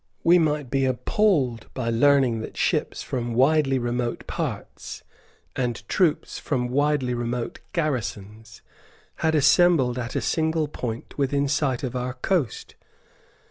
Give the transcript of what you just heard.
We might be appalled by learning that ships from widely remote parts, and troops from widely remote garrisons, had assembled at a single point within sight of our coast.